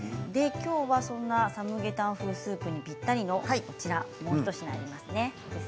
今日はサムゲタン風スープにぴったりのもう一品あります。